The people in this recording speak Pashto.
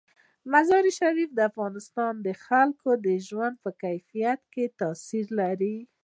مزارشریف د افغانستان د خلکو د ژوند په کیفیت تاثیر لري.